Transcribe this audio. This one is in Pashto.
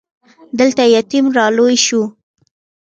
دلته يتيم را لوی شو.